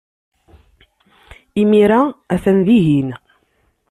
Imir-a, atan dihin.